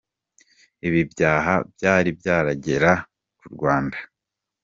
Ibi byaha byari byagera mu Rwanda?.